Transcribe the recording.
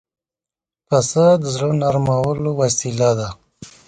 پسه د زړونو نرمولو وسیله ده.